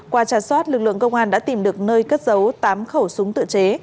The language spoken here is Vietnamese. qua trà soát lực lượng công an đã tìm được nơi cất dấu tám khẩu súng tự chế